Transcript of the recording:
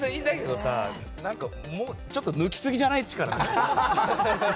ちょっと抜きすぎじゃない？